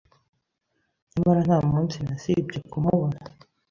Nyamara nta munsi nasibye kumubona